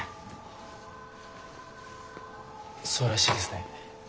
そうらしいですね。